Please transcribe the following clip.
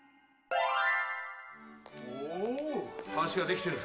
ほう橋ができてる！